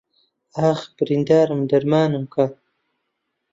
ئاخ بریندارم دەرمانم کە